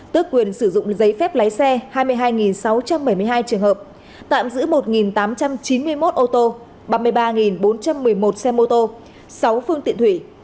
tước quyền sử dụng giấy phép lái xe hai mươi hai sáu trăm bảy mươi hai trường hợp tạm giữ một tám trăm chín mươi một ô tô ba mươi ba bốn trăm một mươi một xe mô tô sáu phương tiện thủy